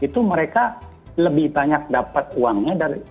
itu mereka lebih banyak dapat uangnya